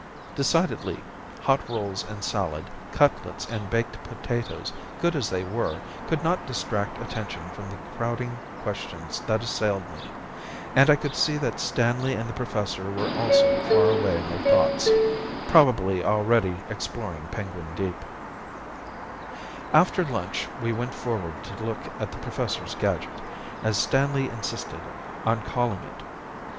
Decidedly, hot rolls and salad, cutlets and baked potatoes, good as they were, could not distract attention from the crowding questions that assailed me. And I could see that Stanley and the Professor were also far away in their thoughts probably already exploring Penguin Deep. After lunch we went forward to look at the Professor's gadget, as Stanley insisted on calling it.